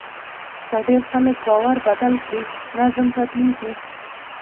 که ډېر خلک باور بدل کړي، نظم بدلېږي.